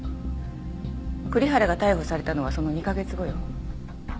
栗原が逮捕されたのはその２か月後よ。